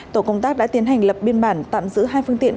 tổ công tác đã tiến hành lập biên bản tạm giữ hai phương tiện